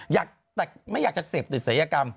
อยากแต่ไม่อยากจะเสพติดเสียกรรม